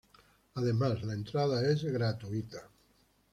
Además, la entrada es gratuita.